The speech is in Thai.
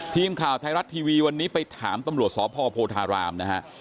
ทีมข่าวไทรัตว์ทีวีวันนี้ไปถามตำหรวดสพโพธาราม